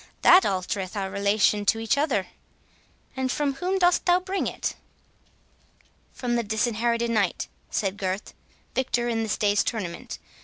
that altereth our relation to each other. And from whom dost thou bring it?" "From the Disinherited Knight," said Gurth, "victor in this day's tournament.